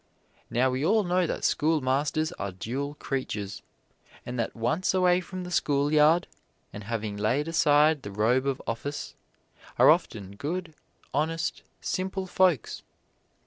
Now we all know that schoolmasters are dual creatures, and that once away from the schoolyard, and having laid aside the robe of office, are often good, honest, simple folks.